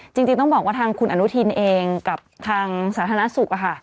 จริงต้องบอกว่าทางคุณอนุทินเองกับทางสาธารณสุข